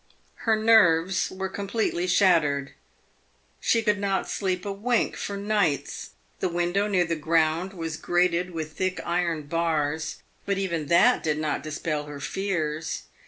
Her nerves were completely shattered. She could not sleep a wink for nights. The window near the ground was grated with thick iron bars, but even that did not dispel her fears.